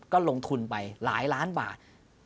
ก็ลงทุนไปหลายล้านบาท